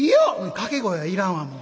「掛け声はいらんわもう。